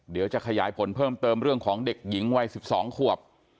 เดี๋ยวจะขยายผลเพิ่มเติมเรื่องของเด็กหญิงวัย๑๒ขวบ